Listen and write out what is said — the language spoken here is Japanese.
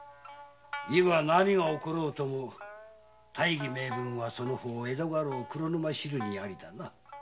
以後何が起ころうとも大義名分はその方江戸家老・黒沼修理にありだな。